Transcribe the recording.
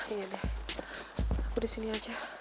iya deh aku disini aja